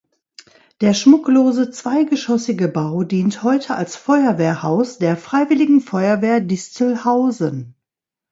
Der schmucklose zweigeschossige Bau dient heute als Feuerwehrhaus der Freiwilligen Feuerwehr Distelhausen.